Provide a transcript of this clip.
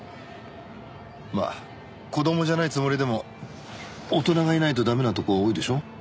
まあ子供じゃないつもりでも大人がいないと駄目なとこは多いでしょ。